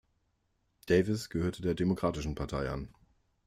Davis gehörte der Demokratischen Partei an.